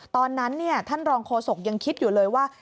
ตอนนั้นท่านรองโฆษกยังคิดอยู่เลยว่า